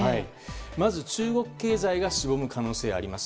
まず、中国経済がしぼむ可能性があります。